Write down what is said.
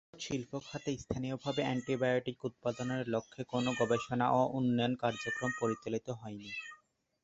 ঔষধ শিল্পখাতে স্থানীয়ভাবে অ্যান্টিবায়োটিক উৎপাদনের লক্ষ্যে কোনো গবেষণা ও উন্নয়ন কার্যক্রম পরিচালিত হয় না।